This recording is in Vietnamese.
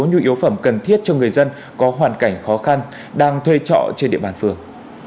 nhu yếu phẩm cần thiết cho người dân có hoàn cảnh khó khăn đang thuê trọ trên địa bàn phường